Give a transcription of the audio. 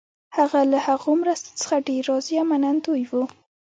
هغه له هغو مرستو څخه ډېر راضي او منندوی وو.